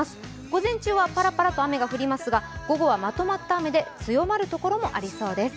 午前中はぱらぱらと雨が降りますが午後はまとまった雨で強まる所もありそうです。